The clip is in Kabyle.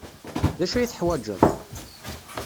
D acu ay teḥwajeḍ?